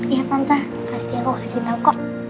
iya tante pasti aku kasih tau kok